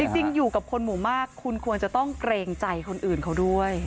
จริงอยู่กับคนหมู่มากคุณควรจะต้องเกรงใจคนอื่นเขาด้วย